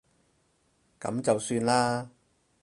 噉就算啦